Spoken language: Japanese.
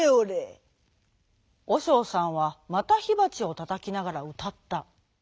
おしょうさんはまたひばちをたたきながらうたった。